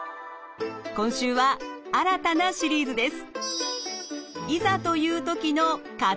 今週は新たなシリーズです。